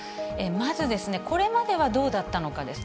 まず、これまではどうだったのかです。